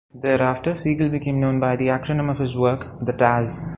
Thereafter, Segal became known by the acronym of his work, the "TaZ".